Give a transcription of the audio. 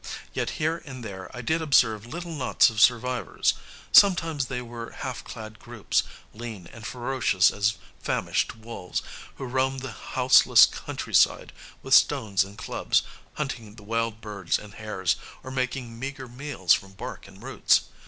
Yet here and there I did observe little knots of survivors. Sometimes they were half clad groups, lean and ferocious as famished wolves, who roamed the houseless countryside with stones and clubs, hunting the wild birds and hares, or making meager meals from bark and roots.